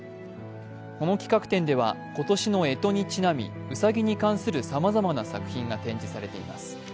この企画展では今年のえとにちなみうさぎに関するさまざまな作品が展示されています。